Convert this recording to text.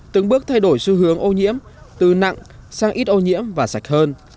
từng bước thay đổi xu hướng ô nhiễm từ nặng sang ít ô nhiễm và sạch hơn